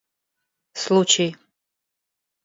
случай